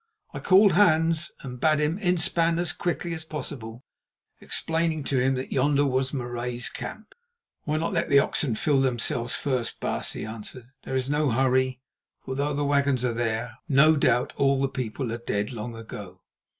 I called Hans and bade him inspan as quickly as possible, explaining to him that yonder was Marais's camp. "Why not let the oxen fill themselves first, baas?" he answered. "There is no hurry, for though the wagons are there, no doubt all the people are dead long ago."